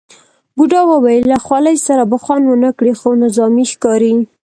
بوډا وویل له خولۍ سره به خوند ونه کړي، خو نظامي ښکاري.